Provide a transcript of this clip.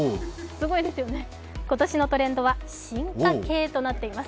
すごいですよね、今年のトレンドは進化系となっています。